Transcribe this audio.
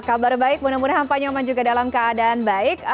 kabar baik mudah mudahan pak nyoman juga dalam keadaan baik